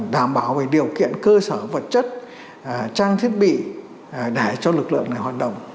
đảm bảo về điều kiện cơ sở vật chất trang thiết bị để cho lực lượng này hoạt động